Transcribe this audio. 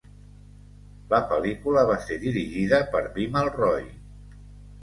La pel·lícula va ser dirigida per Bimal Roy.